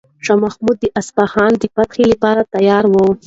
شاه محمود د اصفهان د فتح لپاره تیار و.